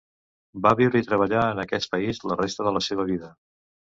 Va viure i treballar en aquest país la resta de la seva vida.